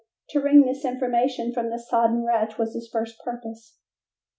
To wring this information from the sodden wretch was his first purpose.